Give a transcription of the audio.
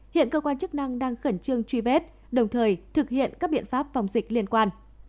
hiện cơ quan chức năng đang khẩn trương truy vết đồng thời thực hiện các biện pháp phòng dịch liên quan